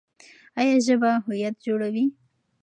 ایا ژبه هویت جوړوي؟